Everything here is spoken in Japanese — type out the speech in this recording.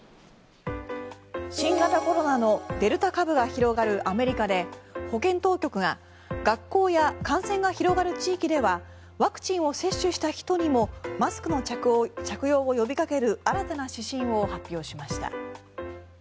新型コロナのデルタ株が広がるアメリカで保健当局が学校や感染が広がる地域ではワクチンを接種した人にもマスクの着用を呼びかける新たな指針を発表しました。